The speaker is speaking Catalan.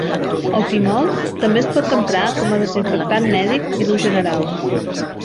El timol també es pot emprar com a desinfectant mèdic i d'ús general.